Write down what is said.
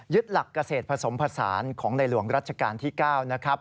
หลักเกษตรผสมผสานของในหลวงรัชกาลที่๙นะครับ